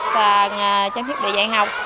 và trang thiết bị dạy học